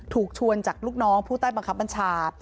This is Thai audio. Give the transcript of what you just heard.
ถูกชวนจากลูกน้องผู้ใต้บังคับบัญชา